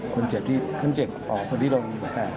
คนที่โดนเหมือนกัน